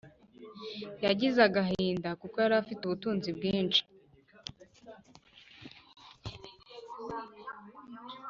yagize agahinda kuko yari afite ubutunzi bwinshi